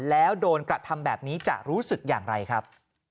แล้วโดนกระทำแบบนี้จะรู้สึกอย่างไรครับ